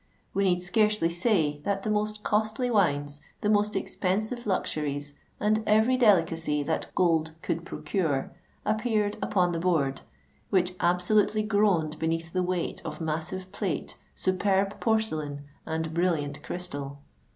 We need scarcely say that the most costly wines, the most expensive luxuries, and every delicacy that gold could procure, appeared upon the board, which absolutely groaned beneath the weight of massive plate, superb porcelain, and brilliant crystal.